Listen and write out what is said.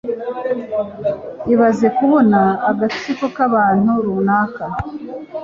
Ibaze kubona agatsiko k'abantu runaka